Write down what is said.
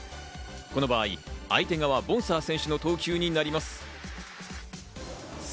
この場合、相手側のボンサー選手の投球になります。